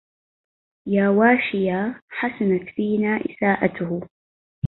يا واشيا حسنت فينا إساءته